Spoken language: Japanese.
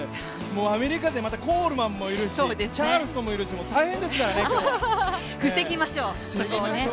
アメリカ勢、コールマンもいるしチャールストンもいるし防ぎましょう。